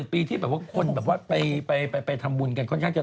ปีที่แบบว่าคนไปทำบุญกันค่อนข้างจะน้อย